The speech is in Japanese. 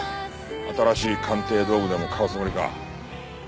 新しい鑑定道具でも買うつもりか？